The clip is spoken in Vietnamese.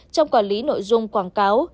trong quản lý nội dung quảng cáo